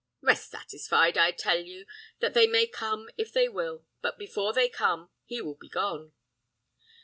Rest satisfied, I tell you, that they may come if they will, but before they come he will be gone."